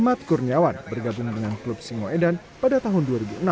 ahmad kurniawan bergabung dengan klub singoedan pada tahun dua ribu enam